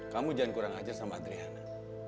kamu jangan kurang ajar sama adriana